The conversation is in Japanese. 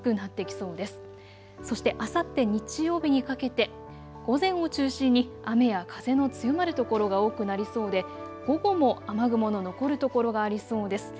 そして、あさって日曜日にかけて午前を中心に雨や風の強まる所が多くなりそうで、午後も雨雲の残る所がありそうです。